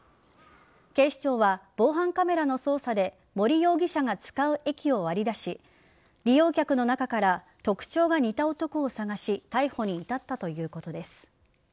警視庁は防犯カメラの捜査で森容疑者が使う駅を割り出し利用客の中から特徴が似た男を捜し逮捕に至ったということです。